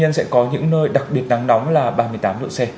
và cũng đối với những nơi đặc biệt nắng nóng là ba mươi tám độ c